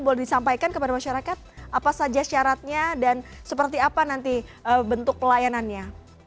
boleh disampaikan kepada masyarakat apa saja syaratnya dan seperti apa nanti bentuk pelayanannya